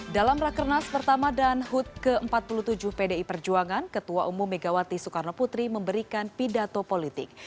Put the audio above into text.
dalam rakernas pertama dan hud ke empat puluh tujuh pdi perjuangan ketua umum megawati soekarno putri memberikan pidato politik